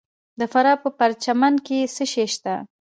د فراه په پرچمن کې څه شی شته؟